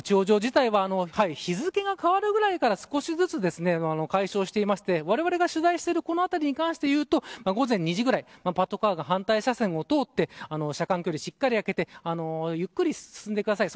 立ち往生自体は日付が変わるぐらいから少しずつ解消していましてわれわれが取材しているこの辺りに関して言うと午前２時ぐらいパトカーが反対車線を通って車間距離をしっかり開けてゆっくり進んでください。